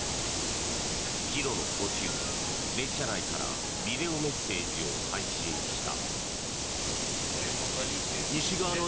帰路の途中、列車内からビデオメッセージを配信した。